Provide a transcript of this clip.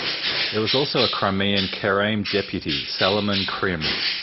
There was also a Crimean Karaim deputy, Salomon Krym.